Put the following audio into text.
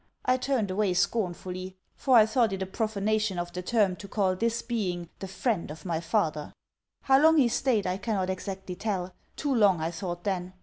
I turned away scornfully; for I thought it a profanation of the term to call this being the friend of my father. How long he staid I cannot exactly tell too long I thought then.